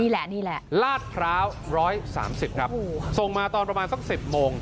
นี่แหละนี่แหละลาดพร้าวร้อยสามสิบครับโอ้โหส่งมาตอนประมาณสักสิบโมง